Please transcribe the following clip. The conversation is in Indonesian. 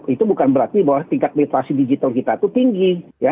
itu bukan berarti bahwa tingkat literasi digital kita itu tinggi